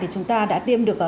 thì chúng ta đã tiêm được